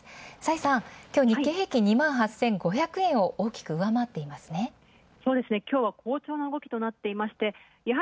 崔さん、今日、日経平均、２８５００円を大きく上回りましたね。